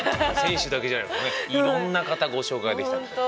選手だけじゃなくいろんな方をご紹介できた。